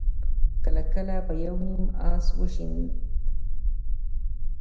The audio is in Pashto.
کله کله به يو نيم آس وشڼېد.